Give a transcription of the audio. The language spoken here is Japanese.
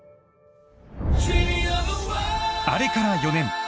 あれから４年。